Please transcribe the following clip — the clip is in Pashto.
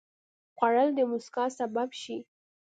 خوړل د مسکا سبب شي